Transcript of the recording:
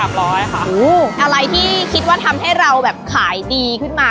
อะไรที่คิดว่าทำให้เราแบบขายดีขึ้นมา